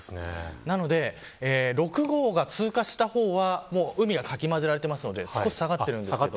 なので、６号が通過した方は海がかきまぜられて少し下がっているんです。